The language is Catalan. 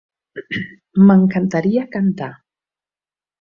M'encantaria cantar.